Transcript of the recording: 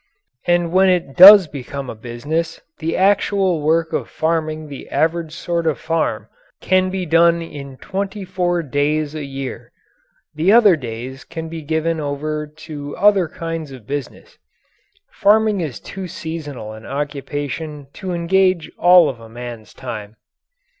And when it does become a business the actual work of farming the average sort of farm can be done in twenty four days a year. The other days can be given over to other kinds of business. Farming is too seasonal an occupation to engage all of a man's time.